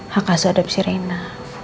hak aso adepsi reina